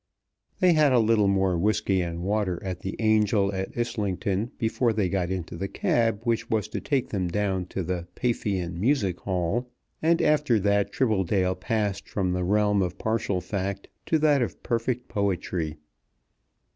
They had a little more whiskey and water at the Angel at Islington before they got into the cab which was to take them down to the Paphian Music Hall, and after that Tribbledale passed from the realm of partial fact to that of perfect poetry.